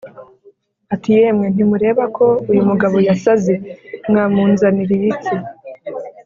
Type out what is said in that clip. ati “Yemwe, ntimureba ko uyu mugabo yasaze! Mwamunzaniriye iki?